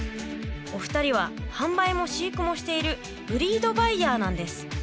お二人は販売も飼育もしているブリードバイヤーなんです。